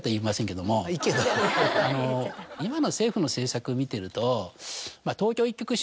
今の政府の政策見てると。